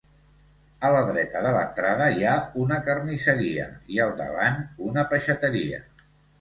A la dreta de l'entrada hi ha una carnisseria i al davant una peixateria.